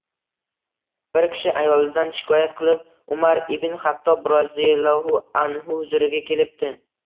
Bir kishi ayolidan shikoyat qilib Umar ibn Xattob roziyallohu anhu huzuriga kelibdi.